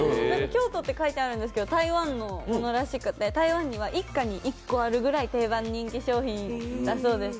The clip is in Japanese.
京都と書いてあるんですけど台湾のものらしくて台湾には一家に一個あるほど、定番人気商品だそうです。